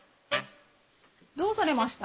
どうされました？